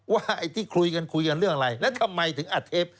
ไอ้ที่คุยกันคุยกันเรื่องอะไรแล้วทำไมถึงอัดเทป